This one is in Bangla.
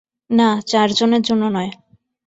না, চারজনের জন্য নয়।